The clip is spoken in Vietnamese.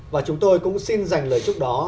và chúng tôi cũng xin dành lời chúc đó